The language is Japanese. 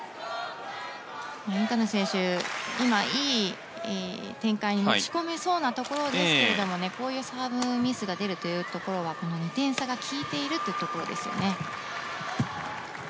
インタノン選手いい展開に持ち込めそうなところですけれどもこういうサーブミスが出るというところは２点差が効いているというところですよね。